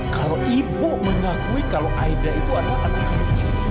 kalau ibu mengakui kalau aida itu adalah anak anak